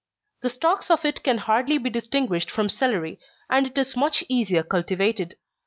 The stalks of it can hardly be distinguished from celery, and it is much easier cultivated.